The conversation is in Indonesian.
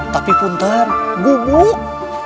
tapi punter gubuk